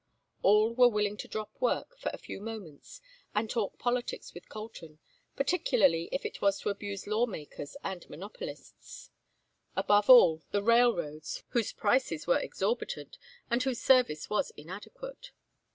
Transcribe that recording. All were willing to drop work for a few moments and talk politics with Colton, particularly if it was to abuse lawmakers and monopolists above all, the railroads, whose prices were exorbitant, and whose service was inadequate.